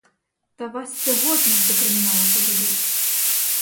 Та вас сьогодні ж до криміналу поведуть.